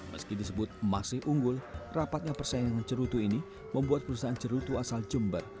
meski disebut masih unggul rapatnya persaingan cerutu ini membuat perusahaan cerutu asal jember